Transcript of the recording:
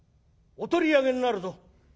お取り上げになるぞ」。